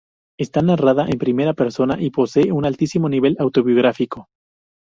Está narrada en primera persona y posee un altísimo nivel autobiográfico.